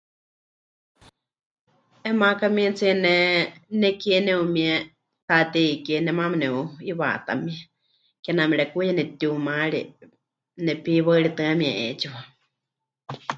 'Eena makamietsie ne nekie nepɨmie Taatei Kie, nemaana neu'iwaatámie, kename rekuuye nepɨtiumaari, nepiwaɨritɨamie 'eetsiwa.